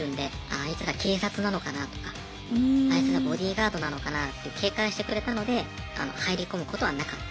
あいつら警察なのかなとかあいつらボディーガードなのかなって警戒してくれたので入り込むことはなかった。